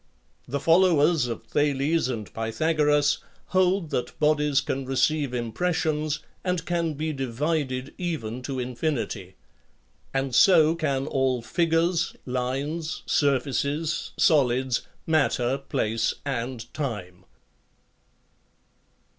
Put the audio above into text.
The followers of Thales and Pytha goras hold that bodies can receive impressions and can be divided even to infinity; and so can all figures, lines, surfaces, solids, matter, place, and time.